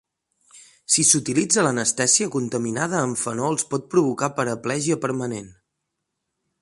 Si s"utilitza, l"anestèsia contaminada amb fenols pot provocar paraplegia permanent.